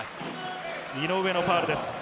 井上のファウルです。